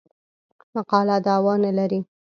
مقاله دعوا نه لري.